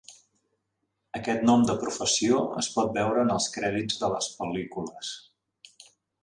Aquest nom de professió es pot veure en els crèdits de les pel·lícules.